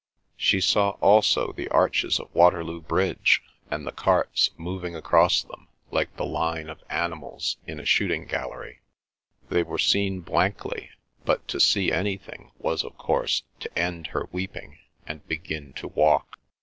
She saw also the arches of Waterloo Bridge and the carts moving across them, like the line of animals in a shooting gallery. They were seen blankly, but to see anything was of course to end her weeping and begin to walk.